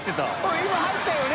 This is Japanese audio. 今入ったよね？